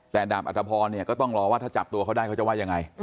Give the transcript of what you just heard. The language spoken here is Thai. แต่ดาบอัตภพรเนี่ยก็ต้องรอว่าถ้าจับตัวเขาได้เขาจะว่ายังไง